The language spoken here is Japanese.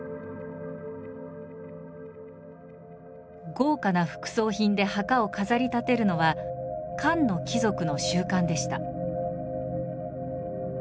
豪華な副葬品で墓を飾り立てるのは漢の貴族の習慣でした。